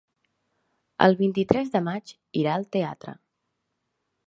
El vint-i-tres de maig irà al teatre.